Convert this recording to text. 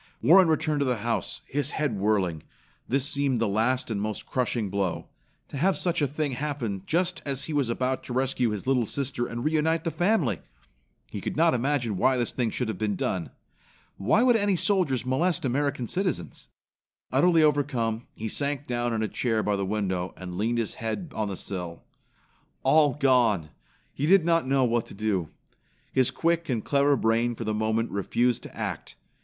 Warren returned to the house, his head whirling. This seemed the last and most crushing blow. To have such a thing happen just as he was about to rescue his little sister and reunite the family! He could not imagine why this thing should have been done. Why should any soldiers molest American citizens? Utterly overcome, he sank down in a chair by the window and leaned his head on the sill. All gone! He did not know what to do. His quick and clever brain for the moment refused to act.